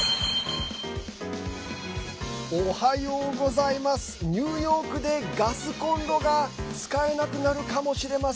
おはようございます。